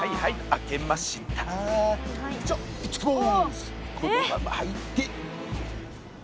このまま入って。